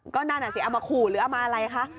ก็นั่นอ่ะสิเอามาขู่หรือเอามาอะไรคะ